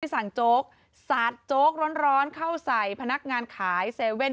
สั่งโจ๊กสาดโจ๊กร้อนเข้าใส่พนักงานขาย๗๑๑